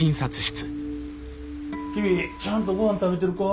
君ちゃんとごはん食べてるか？